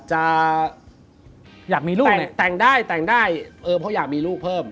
จะแต่งได้แต่งได้เพราะอยากมีลูกเพิ่ม